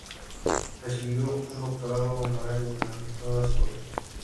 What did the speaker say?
Recibió un doctorado honorario de La Nueva Escuela.